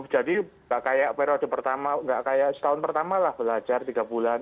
jadi enggak kayak periode pertama enggak kayak setahun pertama lah belajar tiga bulan